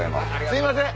すいません。